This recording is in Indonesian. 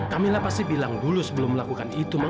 kamilah pasti bilang dulu sebelum melakukan itu